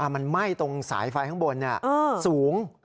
มันไหม้ตรงสายไฟข้างบนสูง